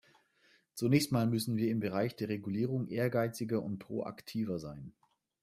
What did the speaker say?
Zunächst mal müssen wir im Bereich der Regulierung ehrgeiziger und proaktiver sein.